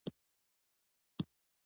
زموږ ښوونځی د اوبو څاه نلري